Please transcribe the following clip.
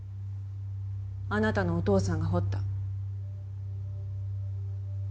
あなたのお父さんが彫った。